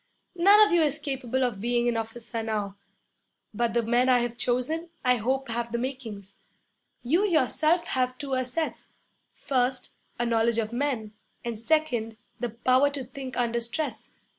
None of you is capable of being an officer now; but the men I've chosen, I hope have the makings. You yourself have two assets: first, a knowledge of men, and second, the power to think under stress.